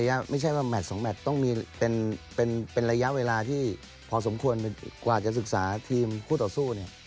มันไม่ใช่แมตส์ผ่านแต่๒แมตส์มันต้องมีรายชาติเมื่อที่สำคัญกว่าจะศึกษาทีมคู่ต่อสู้เนี่ย